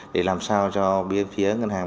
để làm sao cho phía ngân hàng